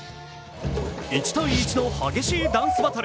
１対１の激しいダンスバトル。